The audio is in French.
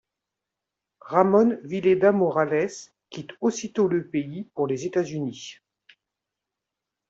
Ramón Villeda Morales quitte aussitôt le pays pour les États-Unis.